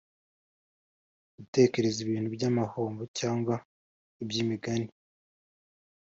agutekerereza ibintu by’amahomvu, cyangwa by’imigani,